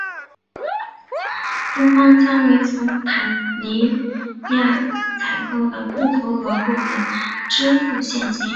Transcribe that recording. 中方将为从坦桑尼亚采购的不足额部分支付现金。